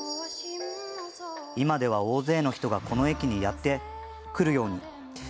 今では大勢の人がこの駅にやって来るように。